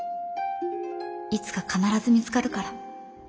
いつか必ず見つかるから。